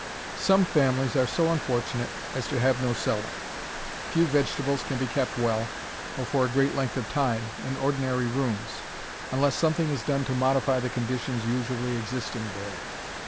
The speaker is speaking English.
Some families are so unfortunate as to have no cellar. Few vegetables can be kept well, or for a great length of time, in ordinary rooms, unless something is done to modify the conditions usually existing there.